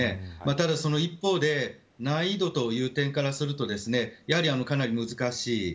ただ、その一方で難易度という点からするとやはり、かなり難しい。